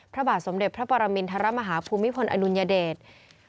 พระบาทสมเด็จพระปรมินทรมาฮาภูมิพลอดุลยเดช